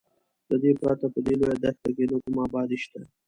له دې پرته په دې لویه دښته کې نه کومه ابادي شته.